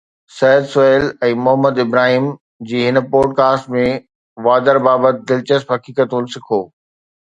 سعد سهيل ۽ محمد ابراهيم جي هن podcast ۾ وادر بابت دلچسپ حقيقتون سکو